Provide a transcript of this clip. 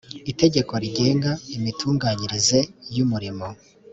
itegeko rigenga imitunganyirize y umurimo